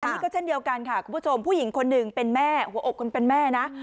อันนี้ก็เช่นเดียวกันค่ะคุณผู้ชมผู้หญิงคนหนึ่งเป็นแม่หัวอกคนเป็นแม่นะ